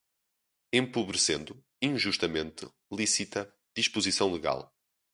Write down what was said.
empobrecendo, injustamente, lícita, disposição legal